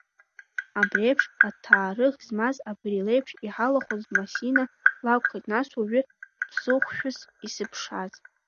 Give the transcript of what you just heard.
Абри еиԥш аҭаарых змаз, абри леиԥш иҳалахәыз Масина лакәхеит нас уажәы ԥсыхәшәыс исыԥшааз.